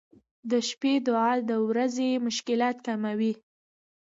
• د شپې دعا د ورځې مشکلات کموي.